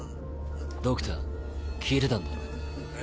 ドクター聞いてたんだろう？